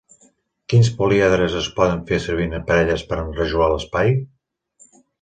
Quins políedres es poden fer servir en parelles per enrajolar l'espai?